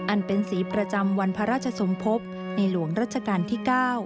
อันเป็นสีประจำวันพระราชสมภพในหลวงรัชกาลที่๙